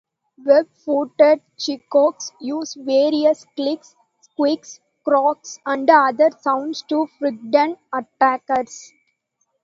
Web-footed geckos use various clicks, squeaks, croaks, and other sounds to frighten attackers.